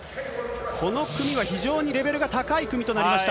この組は非常にレベルが高い組となりました。